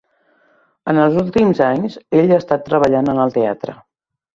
En els últims anys, ell ha estat treballant en el teatre.